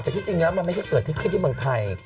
แต่ที่จริงกันมันไม่เกิดขึ้นที่เมืองไทย